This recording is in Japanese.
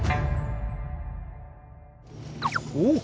おっ！